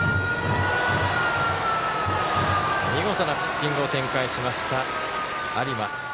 見事なピッチングを展開しました有馬。